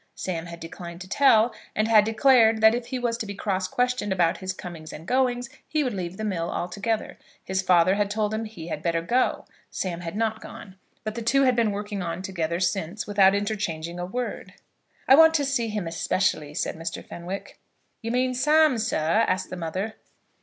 Sam had declined to tell, and had declared that if he was to be cross questioned about his comings and goings he would leave the mill altogether. His father had told him that he had better go. Sam had not gone, but the two had been working on together since without interchanging a word. "I want to see him especially," said Mr. Fenwick. "You mean Sam, sir?" asked the mother.